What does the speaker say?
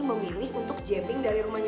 memilih untuk jambing dari rumahnya